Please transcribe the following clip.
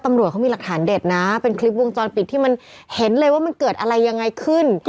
ตำรวจเขามีหลักฐานเด็ดนะเป็นคลิปวงจรปิดที่มันเห็นเลยว่ามันเกิดอะไรยังไงขึ้น